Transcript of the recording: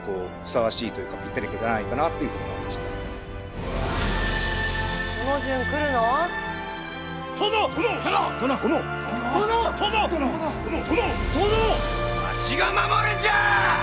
わしが守るんじゃ！